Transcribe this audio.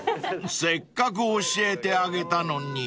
［せっかく教えてあげたのに］